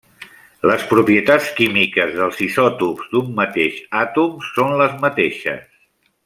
Les propietats químiques dels isòtops d'un mateix àtom són les mateixes.